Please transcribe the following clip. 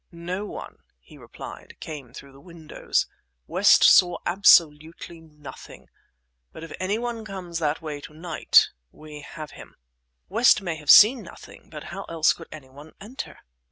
"No one," he replied, "came through the windows. West saw absolutely nothing. But if any one comes that way to night, we have him!" "West may have seen nothing; but how else could any one enter?"